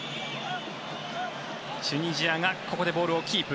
チュニジアがここでボールをキープ。